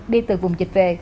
đi từ vùng dịch về